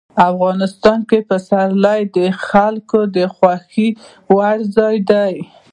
افغانستان کې پسرلی د خلکو د خوښې وړ ځای دی.